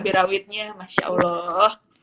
cabai rawitnya masya allah